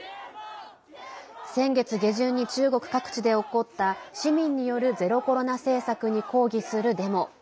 先月下旬に中国各地で起こった市民によるゼロコロナ政策に抗議するデモ。